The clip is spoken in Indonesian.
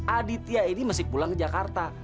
aditya ini mesti pulang ke jakarta